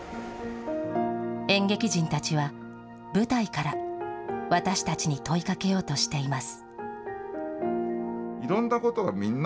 演劇人たちは舞台から私たちに問いかけようとしています。